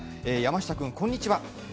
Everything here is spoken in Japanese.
山下君こんにちは。